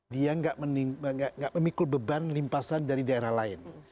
dia nggak memikul beban limpasan dari daerah lain